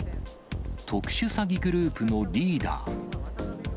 特殊詐欺グループのリーダー。